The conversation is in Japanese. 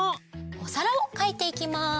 おさらをかいていきます！